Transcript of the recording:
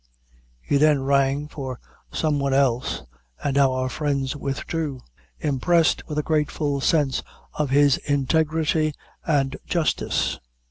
He then rang for some one else, and our friends withdrew, impressed with a grateful sense of his integrity and justice.